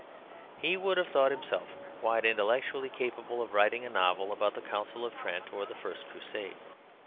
He would have thought himself quite intellectually capable of writing a novel about the Council of Trent or the First Crusade.